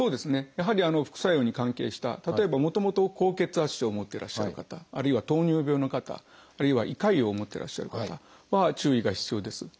やはり副作用に関係した例えばもともと高血圧症を持ってらっしゃる方あるいは糖尿病の方あるいは胃潰瘍を持ってらっしゃる方は注意が必要です。